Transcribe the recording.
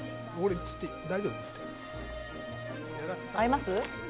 合います？